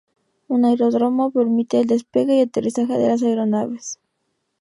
Un aeródromo permite el despegue y aterrizaje de las aeronaves.